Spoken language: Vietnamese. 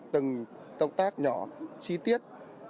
từng công tác nhỏ chi tiết